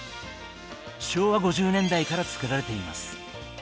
昭和５０年代から作られています。